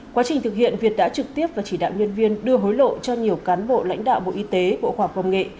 quá trình thực hiện việt đã trực tiếp và chỉ đạo nhân viên đưa hối lộ cho nhiều cán bộ lãnh đạo bộ y tế bộ khoa học công nghệ